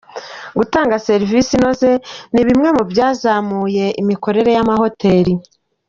Gutanga serivisi inoze ni bimwe mu byazamura imikorere y’amahoteli